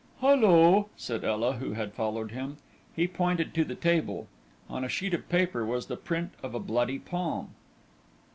"Hullo!" said Ela, who had followed him. He pointed to the table. On a sheet of paper was the print of a bloody palm.